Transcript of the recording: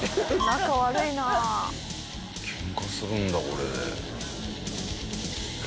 ケンカするんだこれで。